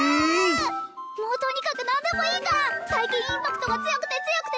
もうとにかく何でもいいから最近インパクトが強くて強くて